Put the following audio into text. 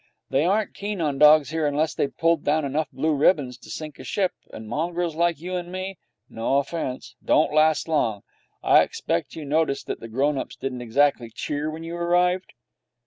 They aren't keen on dogs here unless they've pulled down enough blue ribbons to sink a ship, and mongrels like you and me no offence don't last long. I expect you noticed that the grown ups didn't exactly cheer when you arrived?'